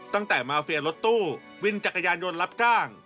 ตั้งแต่มาเฟียรถตู้วินจักรยานยนต์รับจ้าง